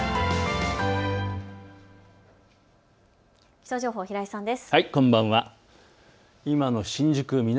気象情報、平井さんです。